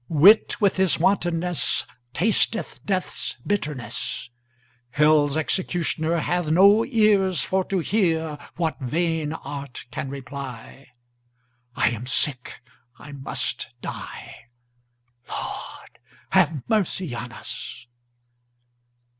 Wit with his wantonness Tasteth death's bitterness; 30 Hell's executioner Hath no ears for to hear What vain art can reply; I am sick, I must die— Lord, have mercy on us!